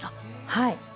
はい。